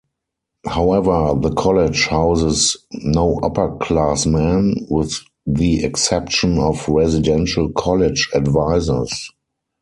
However, the college houses no upperclassmen, with the exception of Residential College Advisors.